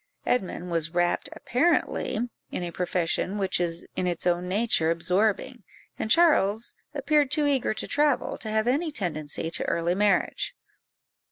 Edmund was wrapt apparently in a profession which is in its own nature absorbing, and Charles appeared too eager to travel to have any tendency to early marriage.